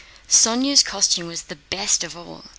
Sónya's costume was the best of all.